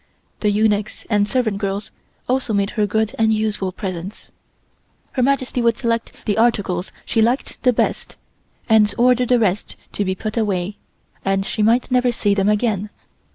The eunuchs and servant girls also made her good and useful presents. Her Majesty would select the articles she liked the best, and order the rest to be put away, and she might never see them again.